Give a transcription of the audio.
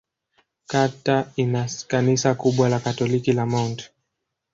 Kata ina kanisa kubwa la Katoliki la Mt.